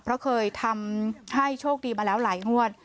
เพราะเคยทำให้โชคดีมาแล้วหลายงวด